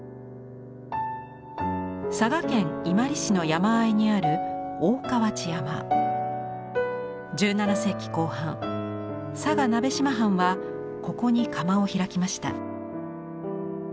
佐賀県伊万里市の山あいにある１７世紀後半佐賀鍋島藩はここに窯を開きました。